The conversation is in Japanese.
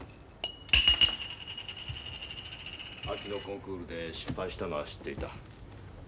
秋のコンクールで失敗したのは知っていた。